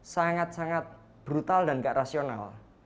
sangat sangat brutal dan gak rasional